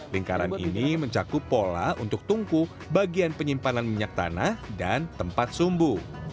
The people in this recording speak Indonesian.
lingkaran ini mencakup pola untuk tungku bagian penyimpanan minyak tanah dan tempat sumbu